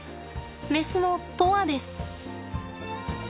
メスの砥愛です。